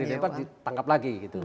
iya dilempar ditangkap lagi gitu